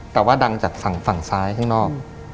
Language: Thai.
แต่ว่าดังจากฝั่งซ้ายข้างนอก